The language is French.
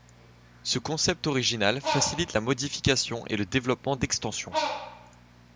Ce concept original facilite la modification et le développement d'extensions.